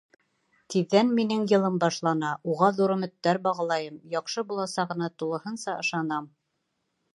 Тиҙҙән минең йылым башлана, уға ҙур өмөттәр бағлайым, яҡшы буласағына тулыһынса ышанам.